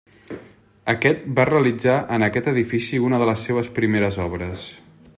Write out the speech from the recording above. Aquest va realitzar en aquest edifici una de les seves primeres obres.